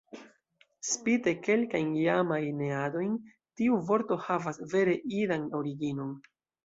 Spite kelkajn jamajn neadojn, tiu vorto havas vere jidan originon.